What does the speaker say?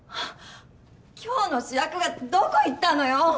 今日の主役がどこ行ったのよ！？